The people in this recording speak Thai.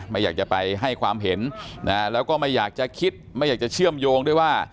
ไม่อยากจะไปให้ความเห็นแล้วก็ไม่อยากจะคิดไม่อยากจะเชื่อมโยงด้วยว่า